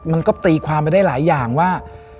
มันก็ตีความไปได้หลายอย่างว่า